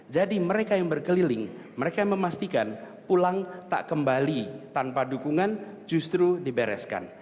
jadi mereka yang berkeliling mereka memastikan pulang tak kembali tanpa dukungan justru dibereskan